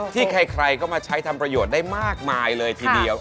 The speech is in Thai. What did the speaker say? ใครก็มาใช้ทำประโยชน์ได้มากมายเลยทีเดียว